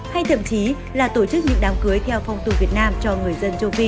hay thậm chí là tổ chức những đám cưới theo phong tục việt nam cho người dân châu phi